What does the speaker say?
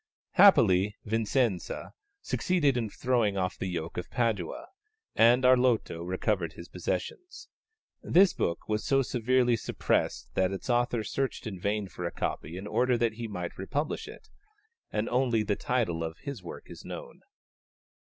Happily Vicenza succeeded in throwing off the yoke of Padua, and Arlotto recovered his possessions. This book was so severely suppressed that its author searched in vain for a copy in order that he might republish it, and only the title of his work is known.